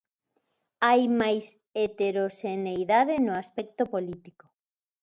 Hai máis heteroxeneidade no aspecto político.